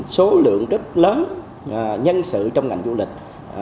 số lượng rất lớn nhân sự trong ngành du lịch